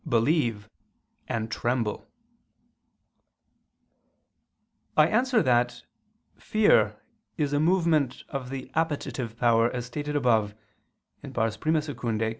believe and tremble." I answer that, Fear is a movement of the appetitive power, as stated above (I II, Q.